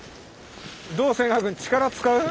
どう千賀君力使う？